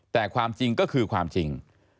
แต่ความจริงก็คือความจริง